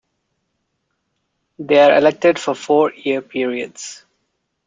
They are elected for four-year periods.